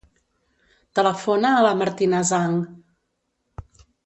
Telefona a la Martina Zhang.